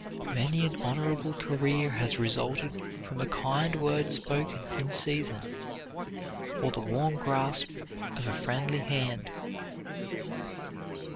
Many an honorable career has resulted from a kind word spoken in season or the warm grasp of a friendly hand.